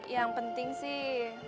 yang penting sih